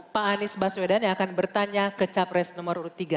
pak anies baswedan yang akan bertanya ke capres nomor urut tiga